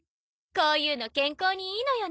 こういうの健康にいいのよね。